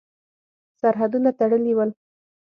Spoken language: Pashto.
سرحدونه تړلي ول.